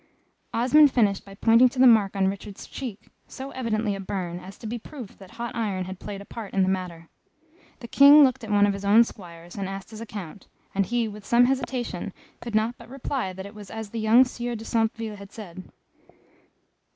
Osmond finished by pointing to the mark on Richard's cheek, so evidently a burn, as to be proof that hot iron had played a part in the matter. The King looked at one of his own Squires and asked his account, and he with some hesitation could not but reply that it was as the young Sieur de Centeville had said.